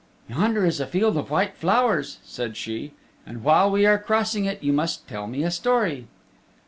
"Yonder is a field of white flowers," said she, "and while we are crossing it you must tell me a story."